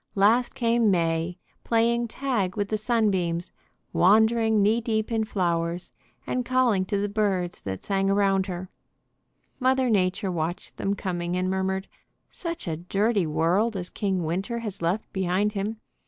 Last came May, playing tag with the sunbeams, wandering knee deep in flowers, and calling to the birds that sang around her: Mother Nature watched them coming and murmured, "Such a dirty world as King Winter has left behind him!